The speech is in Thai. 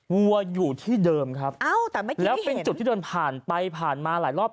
วัวอยู่ที่เดิมครับแล้วเป็นจุดที่เดินผ่านไปผ่านมาหลายรอบ